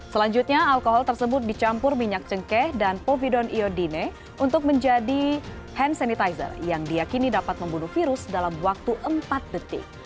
selanjutnya alkohol tersebut dicampur minyak cengkeh dan povidon iodine untuk menjadi hand sanitizer yang diakini dapat membunuh virus dalam waktu empat detik